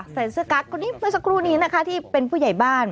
ใส่เสื้อกั๊กคนนี้เมื่อสักครู่นี้นะคะที่เป็นผู้ใหญ่บ้าน